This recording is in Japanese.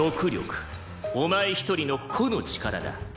お前一人の個の力だ。